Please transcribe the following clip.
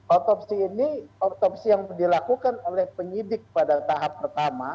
otopsi ini otopsi yang dilakukan oleh penyidik pada tahap pertama